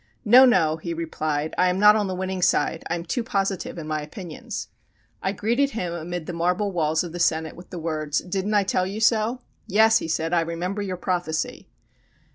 "No, no," he replied, "I am not on the winning side. I am too positive in my opinions." I greeted him amid the marble walls of the Senate with the words "Didn't I tell you so?" "Yes," he said, "I remember your prophecy."